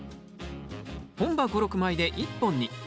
本葉５６枚で１本に。